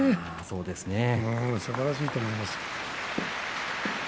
すばらしいと思います。